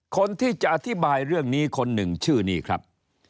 คนที่จะอธิบายเรื่องนี้คนหนึ่งชื่อนี้ครับ